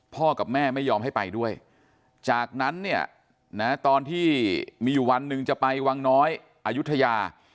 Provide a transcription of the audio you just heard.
กับแม่ไม่ยอมให้ไปด้วยจากนั้นเนี่ยนะตอนที่มีอยู่วันหนึ่งจะไปวังน้อยอายุทยา